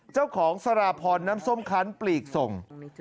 เจ้าของสาราพรน้ำส้มคันปลีกทรง